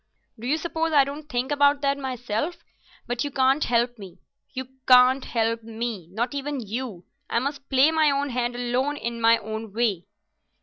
Do you suppose I don't think about that myself? But you can't help me—you can't help me—not even you. I must play my own hand alone in my own way."